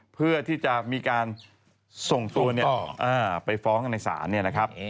เพื่อที่จะมีการส่งตัวไปฟ้องกันในศาลเนี่ยนะครับ